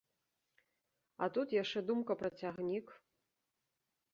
А тут яшчэ думка пра цягнік.